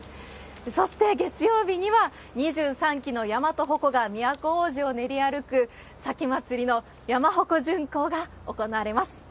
そして、月曜日には２３基の山とほこが都大路を練り歩く前祭の山鉾巡行が行われます。